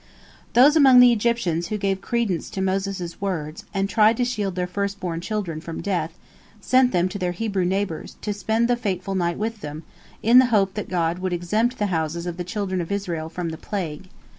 " Those among the Egyptians who gave credence to Moses' words, and tried to shield their first born children from death, sent them to their Hebrew neighbors, to spend the fateful night with them, in the hope that God would exempt the houses of the children of Israel from the plague.